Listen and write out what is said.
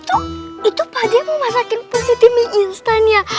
omg itu pak d mau masakin pusiti mie instan ya